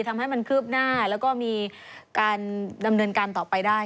ทำให้มันคืบหน้าแล้วก็มีการดำเนินการต่อไปได้